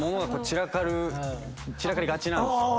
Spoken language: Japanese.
散らかりがちなんですよ。